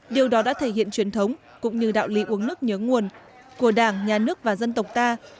điều đó đã thể hiện truyền thống cũng như đạo lý uống nước nhớ nguồn của đảng nhà nước và dân tộc ta